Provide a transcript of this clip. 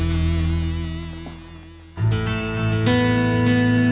oke sampai jumpa